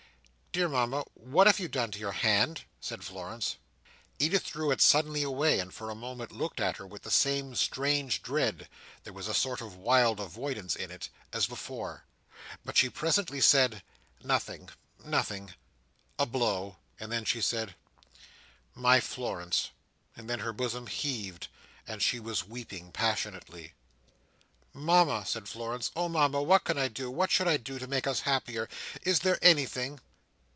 "Dear Mama, what have you done to your hand?" said Florence. Edith drew it suddenly away, and, for a moment, looked at her with the same strange dread (there was a sort of wild avoidance in it) as before; but she presently said, "Nothing, nothing. A blow." And then she said, "My Florence!" and then her bosom heaved, and she was weeping passionately. "Mama!" said Florence. "Oh Mama, what can I do, what should I do, to make us happier? Is there anything?"